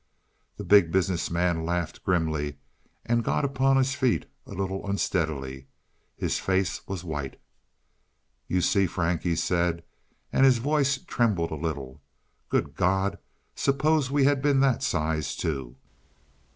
The Big Business Man laughed grimly, and got upon his feet a little unsteadily. His face was white. "You see, Frank," he said, and his voice trembled a little. "Good God, suppose we had been that size, too."